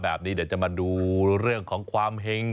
เดี๋ยวจะมาดูเรื่องของความแห่ง